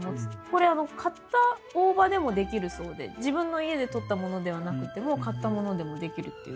これ買った大葉でもできるそうで自分の家でとったものではなくても買ったものでもできるっていうことです。